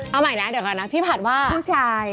เอาใหม่นะเดี๋ยวก่อนนะพี่ผัดว่าผู้ชาย